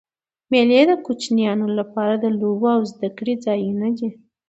مېلې د کوچنيانو له پاره د لوبو او زدهکړي ځایونه دي.